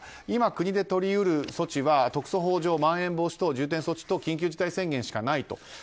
今、国で取りうる措置は特措法上まん延防止等重点措置と緊急事態宣言しかないと。